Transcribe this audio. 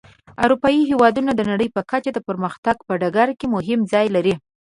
اروپایي هېوادونه د نړۍ په کچه د پرمختګ په ډګر کې مهم ځای لري.